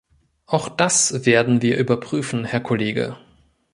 Auch das werden wir überprüfen, Herr Kollege.